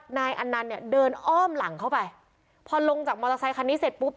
นายอันนันต์เนี่ยเดินอ้อมหลังเข้าไปพอลงจากมอเตอร์ไซคันนี้เสร็จปุ๊บ